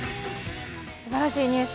すばらしいニュース